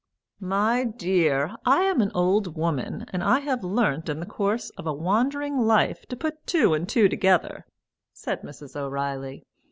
"My dear, I am an old woman, and I have learnt in the course of a wandering life to put two and two together," said Mrs. O'Reilly.